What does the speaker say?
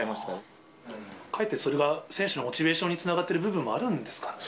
かえってそれが、選手のモチベーションにつながっている部分もあるんですか？